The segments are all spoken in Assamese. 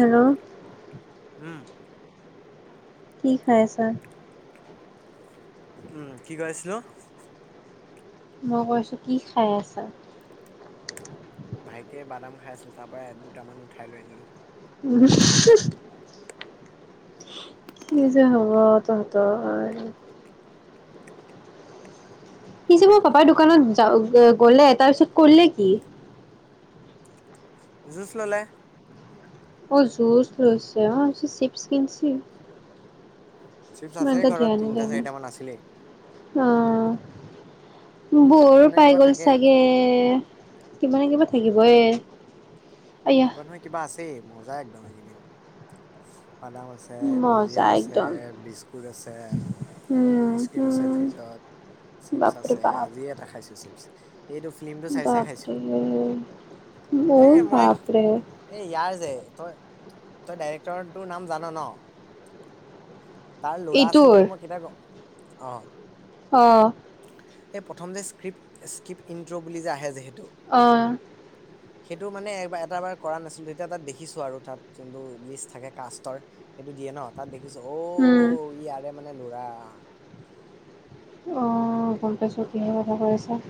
হেল্ল উম কি খাই আছা উম কি কৈ আছিলো মই কৈছো কি খাই আছা ভাইটিয়ে বাদাম খাই আছিল তাৰ পৰা দুটামান উঠাই লৈ আনিলো উম হুম কি যে হ'ব তহঁতৰ। পিছে কি মই হ'ব পাপাৰ একো নহয় দোকানত যা গলে তাৰ পিছত কৰিলে কি? যুঁজ ল'লে। অ জুচ লৈছে অ আনছো চিপছ কিনছি। চিপছ আছেই ঘৰত তিনিটা চাৰিটামান আছিলেই। অঁ কিবা বৌৰ নহয় কিবা পাই গল থাকে চাগে। কিমান কিবা থাকিব এ আই কিবা নহয় কিবা আছেই মজা একদম এইগেইদিন ভাদাম আছে। এ ভুজিয়া মজা আছে একদম। বিস্কুট আছে। উম আইচক্ৰীম আছে হুম ফ্ৰিজত চিপছ বাপৰে আছে বাপ। আজিয়ে এটা খাইছে চিপছ। এইটো ফিল্মটো চাই চাই খাইছো বাপৰে অ এ মই বাপৰে এ ইয়াৰ যে তই তই ডাইৰেক্টৰ তটো নাম জান ন। তাৰ লৰা আছিল এইটোৰ বুলি মই কেতিয়া কওঁ অঁ'। অঁ। এই প্ৰথম যে স্ক্ৰিপ্ট স্ক্ৰিপ্ট ইনট্ৰ' বুলি যে আহে যে হেতু অঁ' সেইটো মানে এটা বাৰ কৰা নাছিলো তেতিয়া তাত দেখিছো আৰু তাত যোনটো লিষ্ট থাকে কাষ্টৰ। সেইটো দিয়ে ন তাত দেখিছো উম অঔ ইয়াৰে মানে লৰা। [unintelligible] অঁ গম পাইছোঁ কিহৰ কথা কৈ আছা।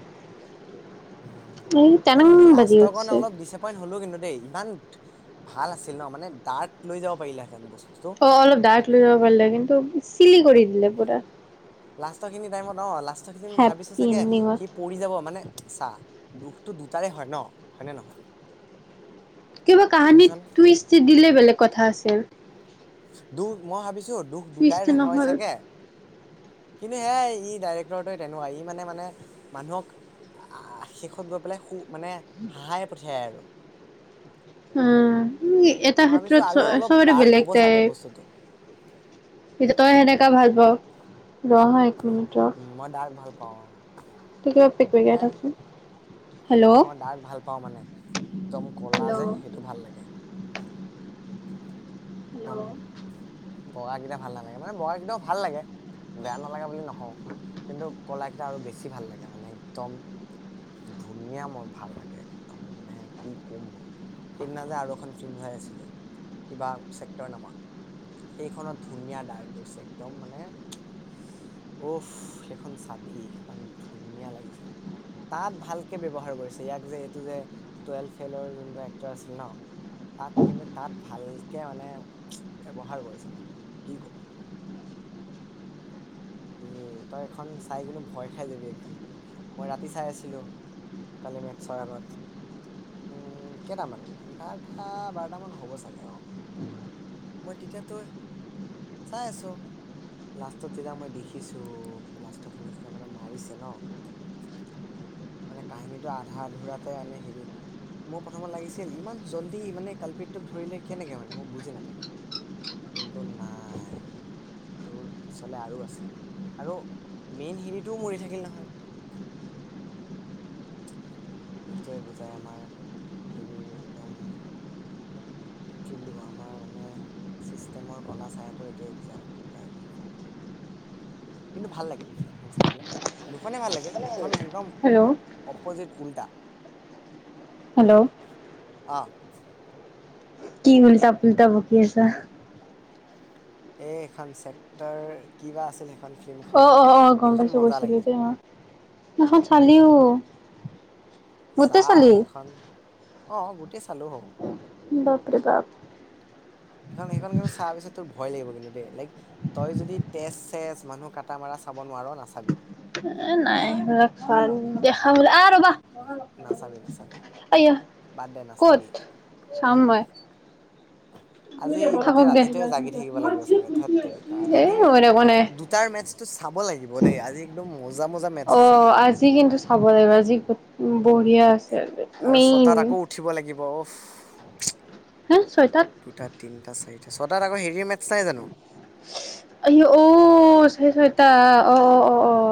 উম টানাং এই বাজি লাষ্টৰ কৰণে উঠছে। অলপ দিছেপ হলো কিন্তু দেই ইমান ভাল আছিল ন মানে ডাৰ্ক লৈ যাব পাৰিলা হেঁতেন বস্তুতটো। অ অলপ ডাগ্ক লৈ যাব পাৰিলে কিন্তু চিলি কৰি দিলে পুৰা। লাষ্ট খিনি টাইমত অঁ লাষ্ট খিনি মই ভাবিছো হেপ্পী চাগে এণ্ডিঙত সিপ পুৰি যাব মানে চাহ লোখটো দুটাৰে হয় ন হয়নে নহয়। কিবা কাহানিত শুনিছানে তু ইষ্টি দিলে বেলেগ কথা আছিল। দুখ মই ভাবিছো দুখ দুটাই টুইষ্ট হয় নহ'ল চাগে কিন্তু সেয়াই ই ডাইৰেক্টৰটোৱে তেনকুৱা ই মানে মানে মানুহক আ আ শেষত গৈ পেলাই সু মানে হাঁহাই পঠিয়াই আৰু। উম উ এটা মই ভাবিছো ক্ষেত্ৰত আৰু অলপ চবতে ডাৰ্ক বেলেগ হ'ব চাগে টাইপ। বস্তুটো হিত তই সেনেকা ভাল পাও দহা এক মিনিট মই দাক ভাল পাওঁ। সেয়াই [unintelligible] হেল্ল' মই দাগ ভাল পাওঁ মানে একদম কলা যে হেল্ল' সেইটো ভাল লাগে। একদম বগা কেইটা ভাল নালাগে মানে বগাগিটাও ভাল লাগে। বেয়া নালাগে বুলি নকওঁ কিন্তু কলা কেইটা আৰু বেছি ভাল লাগে মানে একদম ধুনীয়া মই ভাল লাগে একদম মানে কি ক'ম মই সেইদিনা যে আৰু এখন ফিল্ম চাই আছিলো কিবা চেক্টৰ নামৰ সেইখনত ধুনীয়া ডাগ্গ গৈছে একদম মানে অ'ফ সেইখন চাবি সেখন ধুনীয়া লাগিছে। তাত ভালকে ব্যৱহাৰ কৰিছে ইয়াক যে এইটো যে টোৱেলভ ফেলৰ যোনটো এক্টৰ আছিল ন। তাক কিন্তু তাত ভালকে মানে ব্যৱহাৰ কৰিছে মইটোক কি ক'ম। এ তই এখন চাই কিন্তু ভয় খাই যাবি একদম মই ৰাতি চাই আছিলো। কালি মেথছৰ আগত। উম কেটামান ইঘাৰটা বাৰটা মান হ'ব চাগে, অঁ' মই তেতিয়া তোৰ [inaudible] চাই আছোঁ লাষ্টত যেতিয়া মই দেখিছোঁ, লাষ্টৰখিনি [unintelligible] যেতিয়া মানে মাৰিছে ন মানে কাহিনীটো আধা আধোৰাকে এনে হেৰি [unintelligible] মোৰ প্ৰথমত লাগিছিল ইমান জল্দি মানে কাল্পিতটোক ধৰিলে কেনেকে মানে মই বুজি নাপালোঁ? [unintelligible] কিন্তু নাই [inaudible] তোৰ পিছত পিছফালে আৰু আছিল আৰু মেইন হেৰিটোও মৰি থাকিল নহয়। [unintelligible] এইটোৱেই বুজাই আমাৰ হেৰিৰ একদম [unintelligible] [unintelligible] মই কি বুলি ক‌ওঁ আমাৰ মানে চিষ্টেমৰ কলা চায়াটো এইটোৱেই বুজাই আৰু সেয়াই কি কম আৰু। [unintelligible] কিন্তু ভাল লাগিল ফিল্মখন চাই পেলাই। দুখনে ভাল লাগিল এইখন একদম হেল্ল' অপজিত উল্টা। [unintelligible] হেল্ল'! [unintelligible] অঁ! [inaudible] কি উল্টা-পুল্টা বকি আছা? [unintelligible] এই এখন ছেক্টৰ কিবা আছিল সেইখন অ' ফিল্মখনৰ অ' অ' গম সেইখন পাইছো মজা কৈছিলি লাগিল দেই অ'। কিন্তু। [unintelligible] সেইখন চালিও? [unintelligible] চা গোটেই চালি সেইখন [inaudible] অঁ গোটেই চালোঁ হব [unintelligible] বাপৰে বাপ। [unintelligible] সেইখন-সেইখন কিন্তু চোৱাৰ পিছত তোৰ ভয় লাগিব কিন্তু দেই লাইক [unintelligible] তই যদি তেজ-চেজ, মানুহ কাটা-মাৰা চাব নোৱাৰ নাচাবি। [unintelligible] এ নাই [unintelligible] সেইবিলাক ভাল দেখা বলে আহ ৰ'বা [unintelligible] নাচাবি নাচাবি [unintelligible] আয়া বাদ দে [inaudible] ক'ত? নাচাবিয়ে চাম মই আজি গোটেই থাকক দে ৰাতিটোৱেই জাগি থাকিব লাগিব চাগে ধেট তেৰিকা এ ৰাতিৰ মই একো নাই দু [unintelligible] দুটাৰ মেথছটো চাব লাগিব দেই, আজি একদম মজা-মজা মেথছ অ আছে। [unintelligible] আজি কিন্তু চাব লাগিব, আজি বঢ়িয়া আছে আৰু মেইন। ছটাত আকৌ [unintelligible] উঠিব লাগিব [unintelligible] [unintelligible] হে ছয়টাত দুটা, তিনিটা, চাৰিটা। ছয়টাত আকৌ হেৰিৰ মেটছ নাই জানো? [unintelligible] আ [unintelligible] অ! [unintelligible] ছয়টা অ-অ-অ-অ!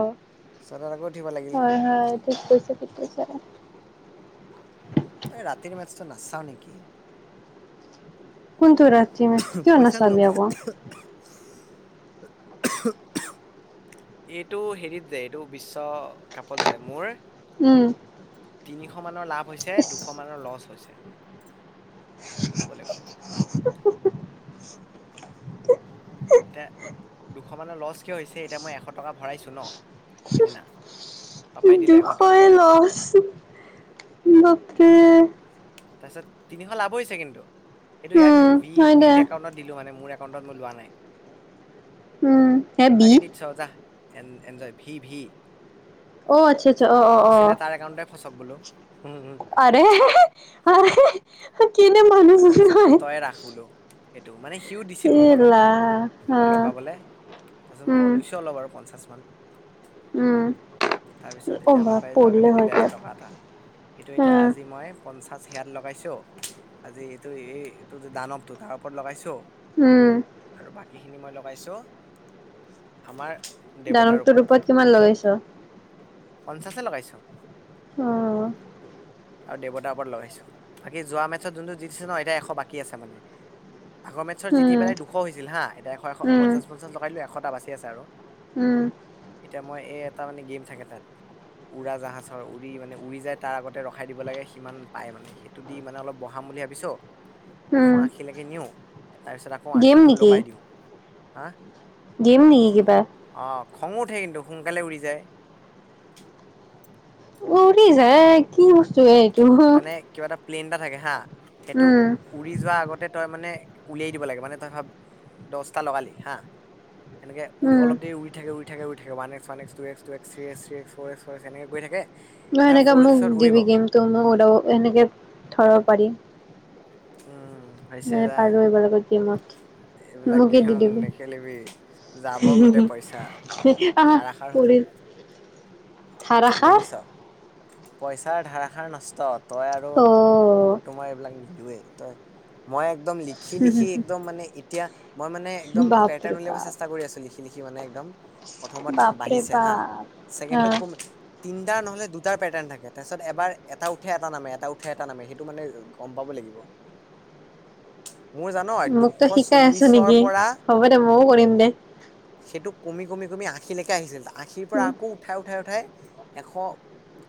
ছটাত আকৌ উঠিব লাগিল হয়-হয়। ঠিক কৈছা, ঠিক কৈছা। [unintelligible] এ ৰাতিৰ মেটছটো নাচাওঁ নেকি? [unintelligible] কোনটো ৰাতি মেথছ? কিয় পইচাৰ নাচাবি লগত আকৌ? [unintelligible] [inaudible] [unintelligible] এইটো হেৰিত যে এইটো বিশ্বকাপত যে মোৰ [unintelligible] উম! [unintelligible] তিনিশ মানৰ লাভ হৈছে, ইচ দুশ মানৰ লছ হৈছে। [unintelligible] ক'বলৈ গ'লে [unintelligible] এতিয়া দুশ মানৰ লছ কিয় হৈছে এতিয়া মই এশ টকা ভৰাইছোঁ ন সেইদিনা। [unintelligible] পাপাই দিলে এশ টকা। [unintelligible] [unintelligible] বাপৰে [inaudible] [inaudible] তাৰপিছত তিনিশ লাভ হৈছে কিন্তু সেইটো ইয়াক দিলোঁ [unintelligible] একাউণ্টত। দিলোঁ মানে মোৰ একাউন্টত মই লোৱা নাই। তাকে দি দিছোঁ আৰু যাহ। [unintelligible] [unintelligible] Enjoy V-V. [inaudible] ফচিলে তাৰ একাউণ্টতে ফচক বোলো। উম-উম। [unintelligible] আৰে আৰে কিনো মানুহ হয়। ৰাখবোলো। এইটো মানে সিও দিছিল মোক অলপ- মানে লগাবলে, তাৰপিছত মই লৈছো অলপ আৰু পঞ্চাশ মান। তাৰপিছত এতিয়া বা পাপাই পৰিলে যোৱাকালি হয় দিলে এশ তাত টকা এটা। সেইটো এতিয়া উম আজি মই পঞ্চাছ হেয়াত লগাইছোঁ। আজি এইটো এই এইটো যে দানৱটো তাৰ ওপৰত লগাইছো। উম। আৰু বাকীখিনি মই লগাইছোঁ, আমাৰ- দেৱতাৰ দানটো ওপৰত ৰূপত কিমান লগাইছ? পঞ্চাশে লগাইছো। অহ। আৰু দেৱতাৰ ওপৰত লৰাইছো, বাকি যোৱা মেচত যোনটো জিতিছে ন এতিয়া এশ বাকী আছে মানে- আগৰ মেটছত জিতি উম পেলাই দুশ হৈছিল হা এতিয়া এশ এশ উম পঞ্চা পঞ্চাশটাই দিলো এশটা বাচি আছে আৰু- উম। এতিয়া মই এ এটা মানে গেম থাকে তাত- উৰা জাহাজৰ উৰি মানে উৰি যায় তাৰ আগতে ৰখাই দিব লাগে সিমান পাই মানে- সেইটো দি মানে অলপ বঢ়াম বুলি ভাবিছোঁ, উম এশ আশী লৈকে নিও- তাৰপিছত আকৌ গেম আশিটো লগাই দিওঁ, হা- দিম নেকি কিবা? অ খঙ উঠে কিন্তু সোনকালে উৰি যায়। উৰি জাই কি বস্তু এ - মানে কিবা এটা প্লেইন এটা থাকে হা, সেইটো- উম উৰি যোৱা আগতে তই মানে উলিয়াই দিব লাগে মানে তই ভাব দহটা লগালি হা- এনেক উ উম অল দেৰি উৰি থাক উৰি থে উৰি থে ৱ এক্সৱ একস ট এক্ ট x three x three x four' x four x এনেকে কৰি থাকে। ন সেনেকাে ফ'ৰ মোক এক্সত উৰিব দিবি গেম তো মোক ওলও সেনেকে ধৰাব পাৰি। উম। হৈছে এ যা পাৰো এইবাৰ আগত দিয় মঠ- এইবিলাক গেম নেখেলিবি- যাব গোটেই পইচা, আহ ধাৰাষাৰ হব। পৰিল থাৰা খাৰ বুজিছ, পইচাৰ ধাৰাষাৰ নষ্ট তই অ আৰু- তোকতো মই এইবিলাক নিদোৱেই তই, মই একদম লিখি লিখি একদম মানে এতিয়া- মই মানে একদম পেটাৰ্ণ বাপৰে উলিয়াব বাপ চেষ্টা কৰি আছো লিখি লিখি মানে একদম- প্ৰথমত বাপৰে বাঢ়িছে হা, বাপ অ ছেকেণ্ডত- তিটাৰ নহলে দুটাৰ পেটাৰ্ণ থাকে তাৰপিছত এবাৰ এটা উঠে এটা নামে এটা উঠাই এটা নামে সেইটো মানে- গম পাব লাগিব। [unintelligible] মোৰ জান মোক দুশ তই শিকাই আছো চল্লিশৰ নেকি, পৰা হ'ব দে ময়ো কৰিম দে। সেইটো কমি কমি কমি আশীকে আহিছিল আশীৰ পৰা আকৌ উঠাই উঠ- উঠাই উঠাই, এশ-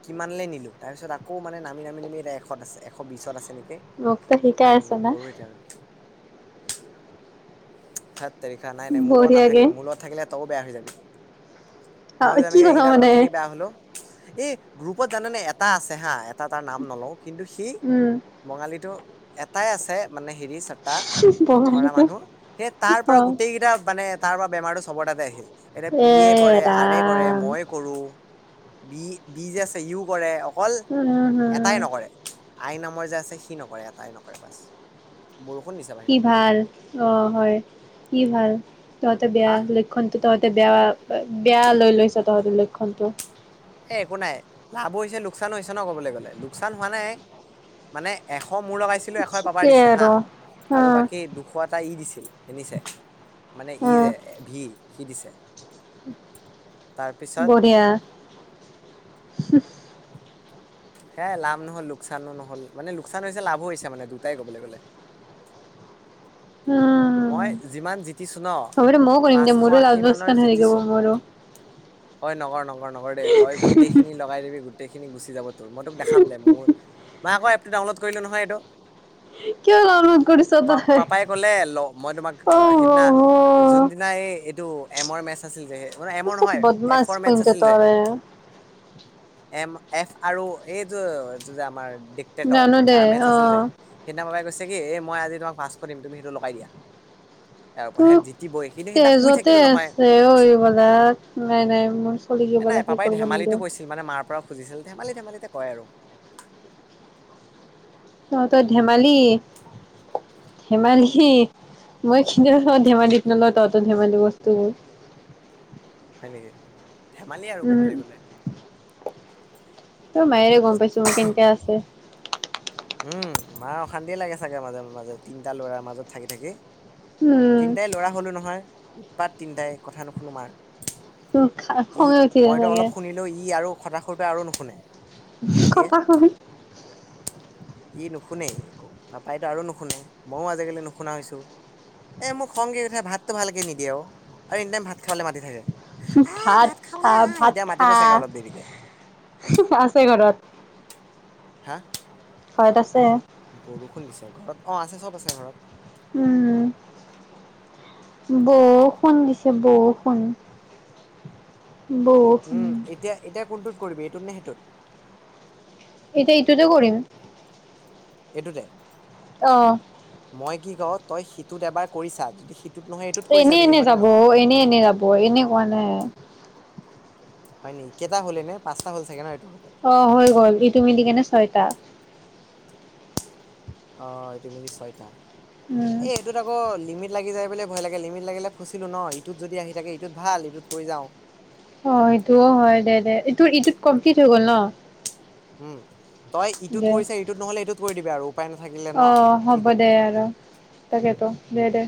কিমানে নিলো তাৰ পিছত আকৌ মানে নামি নামি নামি এতিয়া এশত আছে এশ বিশত আছে নেকি। মোক তই শিকাই আছ না। ঠেত তেৰিকা নাই নাই মোৰ লগত বঢ়িয়াকে নাথাকিবি মোৰ লগত - থাকিলে তও বেয়া হৈ যাবি, মই অ' কি যেনেকে কথা এইকেইটা মানে লগত- থাকি হলো এই গ্ৰুপত জানেনে এটা আছে হা এটা তাৰ নাম নলও কিন্তু সেই- উম। বঙালীটো এটাই আছে মানে হেৰি চাৰটা। কৰা বঙালীটো মানুহ সেই তাৰ অ পৰা গোটেই কেইটা মানে তাৰ পৰা বেমাৰটো চব তাতে আহিল। এতিয়া পি এ কৰে আৰ এ কৰে ৰাম মই কৰো বি বি যে আছে ইও কৰে। অকল উম হম এটাই নকৰে আই নামৰ যে আছে সি নকৰে এটাই নকৰে বাছ। বৰষুণ দিছে ই বাহিৰত ভাল অ হয় ই ভাল তহঁতে বেয়া হা ল লক্ষণ টো তহঁতে বেয়া বেয়া লৈ লৈছ তহঁতৰ লক্ষণতটো। এ একো নাই লাভ হৈছে লোকচান হৈছে ন ক'বলৈ গ'লে লোকচান হোৱা নাই মানে এশ মোৰ লগাইছিলো এশ পাবা ঠিকেই দিছে হা আৰু আৰু উম বাকী দু ওখ এটা ই দিছিল সেনিছে মানে ই উম যে ভি সি দিছে। তাৰপিছত বঢ়িয়া। সে লাভ নহল লোকচানো নহ'ল মানে লোকচান হৈছে লাভো হৈছে মানে দুটাই ক'বলৈ গ'লে। উম মই যিমান জিতিছো ন হ'ব দে ময়ো কৰিম দে পাঁচশ মোৰো লাউড আশী বক্স মানৰ খন হৈ থাকিব জিতিছোঁ। মোৰো হয় নগৰ নগৰ নগৰ দে তই গোটেই খিনি লগাই দিবি। গোটেইখিনি গুচি যাব তোৰ মই তোক দেখাম দে মোৰ মই আক এপটো ডাউনলোড কৰিলো নহয় এইটো। কিয় ডাউনলোড কৰিছ প তই পাপাই কলে। মই তোমাক অ সিদিনা হ যোনদিনা এই এইটো এমৰ মেচ আছিল যে, আপোনাৰ এমৰ চব নহয় বদমাছ এফৰ মেটছ কিন্তু আছিল যে। তই এম এফ আৰু এইয এইটো যে আমাৰ ডিক্টেটৰ জানো দে তাৰ মেটচ অ আছিল যে। সেইদিনাবাই কৈছে কি এই মই আজি তোমাক পাঁচশ দিম তুমি সেইটো লগাই দিয়া। ইয়াৰ ওপৰত ত হে জিতিবই কিন্তু সেইদিনা শুই তেজতে থাকিলো নহয় আছে উৰিবলাত নাই নাই মোৰ। এ নাই খলগিবলে সেই পাপাই কৰিব ধেমালিটো নিদওঁ। কৈছিল মানে মাৰ পৰা খুজিছিল ধেমালি ধেমালিতে কয় আৰু। তহঁতৰ ধেমালি। ধেমালি মই কিনি আছো ধেমালিত নলওঁ তহতত ধেমালি বস্তুোৰ। হয় নেকি ধেমালি আৰু উম কবলৈ গলে। তই মায়েৰে গম পাইছো মোৰ কেনেকে আছে। উম মা অশান্তি লাগে চাগে মাজে মাজে তিনিটা লৰাৰ মাজত থাকি থাকি। উম। তিনিটাই ল'ৰা হ'লো নহয় উৎপাত তিনিটাই কথা নুশুনো মাৰ। ই খঙে উঠিলে মইতো চাগে অলপ শুনিলেও ই আৰু খথাশুৰ পৰা আৰু নুশুনে। ভাইটিয়ে ককা শুন। ই নুশুনে একো পাপাইতো আৰু নুশুনে মইো আজিকালি নুশুনা হৈছো। এ মোৰ খং কি কঠা ভাতটো ভালকে নিদিয়ে অ আৰু এনি টাইম ভাত খাবে মাতি থাকে। আহ ভাত খাবলৈ খা আহ ভাত এতিয়া খা মাতিবই চাগে অলপ দেৰিকে আছে ঘৰত। হা? হয়ত আছে। বৰষুণ দিছে ঘৰত অ আছে চব আছে ঘৰত। উম। বৰষুণ দিছে বৰষুণ। বহ। উম এতিয়া এতিয়া কোনটোত কৰিবি এইটোত নে সেইটোত? এতিয়া ইটোতে কৰিম। এইটো এ। অঁ। মই কি কওঁ, তই সিটোত এবাৰ কৰিছা যদি। সিটোত নহয় এইটোত কৰি এনে চাবি এনে হয় নে যাব অ, নহয়? এনে এনে যাব এনে কোৱা নাই। হয় নে কেইটা হ'লে নে পচ হল চাগে ন এইটোৰতে [unintelligible] অ' হৈ গ'ল এইটো মিলি কেনে ছয়টা। অ' এইটো মিলি ছয়টা। উম। ইটোত আকৌ লিমিট লাগি যাই বুলিয় ভয় লাগে, লিমিট লাগিলে ফুচিলো ন ইটোত যদি আহি থাকে ইটোত ভাল ইটোত কৰি যাওঁ। অ' সেইটোও হয় দে, এইটো এইটোত কমপ্লিট হৈ গ'ল ন। উম, তই ইটোত দে কৰিছ ইটোত নহ'লে এইটোত কৰি দিবি আৰু উপায় নাথাকিলে অ ন আৰু হ'ব কি কম দে এতিয়া মই। আৰু তাকেতো। উম দে দে